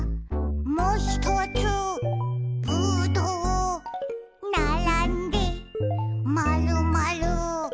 「もひとつぶどう」「ならんでまるまる」